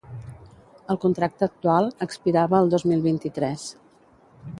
El contracte actual expirava el dos mil vint-i-tres.